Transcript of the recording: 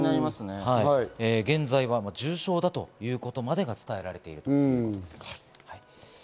現在は重傷だということまでが伝えられているということです。